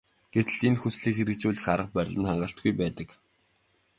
Гэтэл энэ хүслийг хэрэгжүүлэх арга барил нь хангалтгүй байдаг.